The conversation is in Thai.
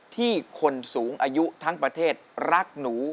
ที่คนสูงอายุทั้งประเทศรักหนู